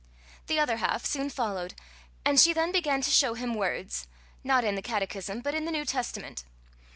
The other half soon followed; and she then began to show him words not in the Catechism, but in the New Testament.